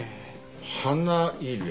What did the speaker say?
「花入」